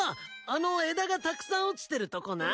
あの枝がたくさん落ちてるとこな。